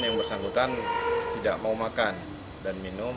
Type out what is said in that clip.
yang bersangkutan tidak mau makan dan minum